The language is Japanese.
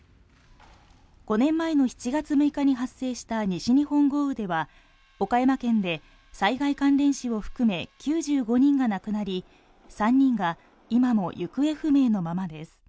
５年前の７月６日に発生した西日本豪雨では、岡山県で災害関連死を含め９５人が亡くなり、３人が今も行方不明のままです。